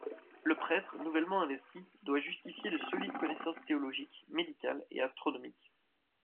Le prêtre nouvellement investi doit justifier de solides connaissances théologiques, médicales et astronomiques.